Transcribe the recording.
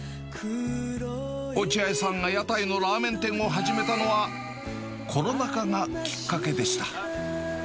落合さんが屋台のラーメン店を始めたのは、コロナ禍がきっかけでした。